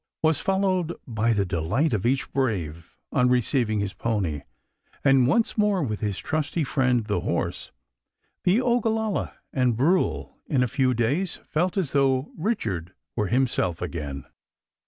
was followed by the delight of each brave on receiving his pony, and once more with his trusty friend the horse, the Ogalalla and Brule in a few days felt as though "Richard were himself again."